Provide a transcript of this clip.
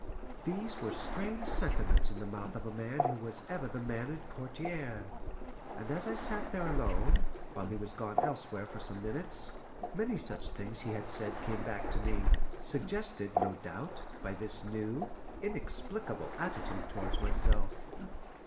These were strange sentiments in the mouth of a man who was ever the mannered courtier, and as I sat there alone, while he was gone elsewhere for some minutes, many such things he had said came back to me, suggested, no doubt, by this new, inexplicable attitude towards myself.